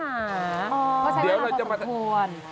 หยาดเหนื่อยแรงกายหลายจากจั๊กแกะแล้วค่ะหนีบทั้งหมดเลยค่ะ